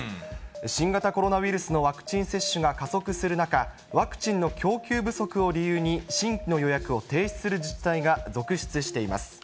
新型コロナウイルスのワクチン接種が加速する中、ワクチンの供給不足を理由に、新規の予約を停止する自治体が続出しています。